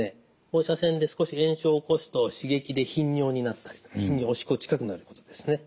放射線で少し炎症を起こすと刺激で頻尿になったりとかおしっこ近くなるということですね。